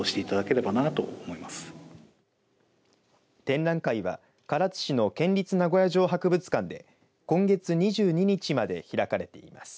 展覧会は唐津市の県立名護屋城博物館で今月２２日まで開かれています。